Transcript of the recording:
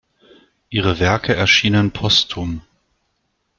Ihre Werke erschienen postum.